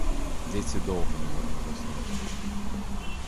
Дзеці доўга не маглі заснуць.